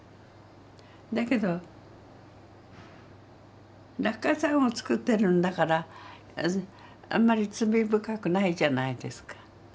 だけど落下傘をつくってるんだからあんまり罪深くないじゃないですか。